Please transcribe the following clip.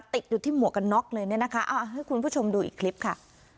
ติดอยู่ที่หมวกกันน็อกเลยเนี่ยนะคะเอาให้คุณผู้ชมดูอีกคลิปค่ะ